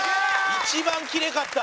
一番きれかった。